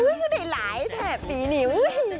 เฮ้ยเขาได้หลายแทบตีนิ้ว